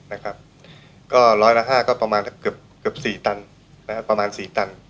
๑๐๐ละ๕ก็ประมาณเกือบ๔ตัน